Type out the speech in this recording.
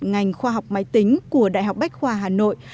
ngành khoa học máy tính của đại học bách khoa hà nội